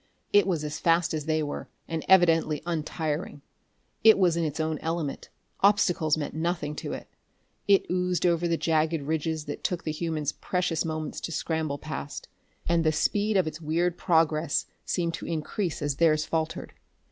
It was as fast as they were, and evidently untiring. It was in its own element; obstacles meant nothing to it. It oozed over the jagged ridges that took the humans precious moments to scramble past, and the speed of its weird progress seemed to increase as theirs faltered.